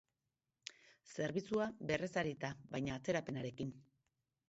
Zerbitzua berrezarrita baina atzerapenekin.